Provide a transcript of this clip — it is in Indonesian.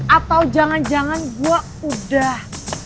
atau jangan jangan gue udah